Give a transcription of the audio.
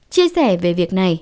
chia sẻ về việc này